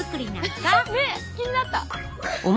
ねっ気になった。